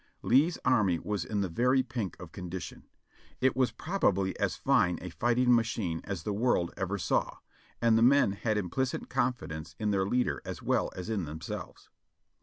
Lee's army was in the very pink of condition. It was probably as fine a fighting machine as the world ever saw, and the men had implicit confidence in their leader as well as in themselves.